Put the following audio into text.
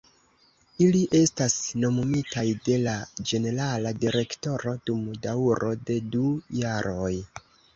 Ili estas nomumitaj de la ĝenerala direktoro dum daŭro de du jaroj.